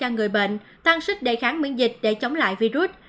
cho người bệnh tăng sức đề kháng miễn dịch để chống lại virus